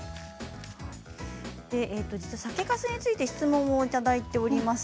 酒かすについて質問をいただいています。